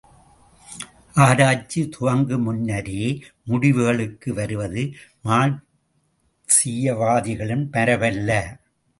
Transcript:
ஆராய்ச்சி துவங்கு முன்னரே, முடிவுகளுக்கு வருவது மார்க்சீயவாதிகளின் மரபல்ல.